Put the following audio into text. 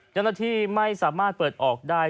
เจ้าหน้าที่ไม่สามารถเปิดออกได้